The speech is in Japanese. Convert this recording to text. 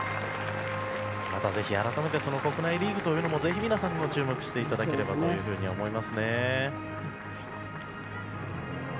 またぜひ改めて国内リーグというのも皆さん、注目していただければと思いますね。